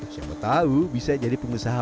siapa tahu bisa jadi pengusaha